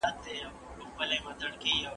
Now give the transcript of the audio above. لا هم اورېدل کېږي